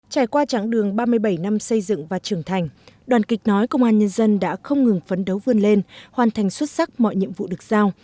trải qua tráng đường ba mươi bảy năm xây dựng và trưởng thành đoàn kịch nói công an nhân dân đã không ngừng phấn đấu vươn lên hoàn thành xuất sắc mọi nhiệm vụ được giao